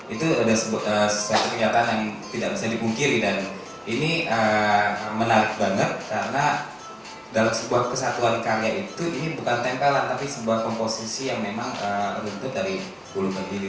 itu ada satu kenyataan yang tidak bisa dipungkiri dan ini menarik banget karena dalam sebuah kesatuan karya itu ini bukan tempelan tapi sebuah komposisi yang memang runtut dari bulu berdiri